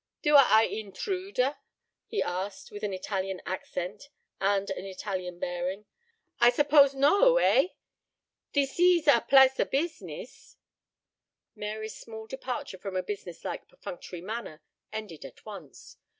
"Do a I eentrude?" he asked, with an Italian accent and an Italian bearing. "I suppose no, eh? Thece ees a placa beesness." Mary's small departure from a business like perfunctory manner ended at once.